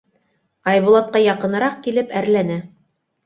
Айбулатҡа яҡыныраҡ килеп әрләне: